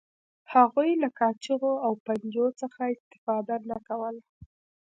هغوی له کاچوغو او پنجو څخه استفاده نه کوله.